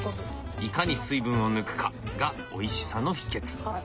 いかに水分を抜くかがおいしさの秘けつ。